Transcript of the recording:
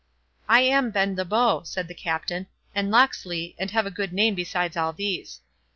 "I am Bend the Bow," said the Captain, "and Locksley, and have a good name besides all these."